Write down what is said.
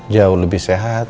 jauh lebih sehat